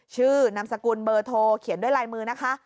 นามสกุลเบอร์โทรเขียนด้วยลายมือนะคะ